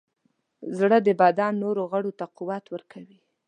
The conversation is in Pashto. زړه د بدن نورو غړو ته قوت ورکوي.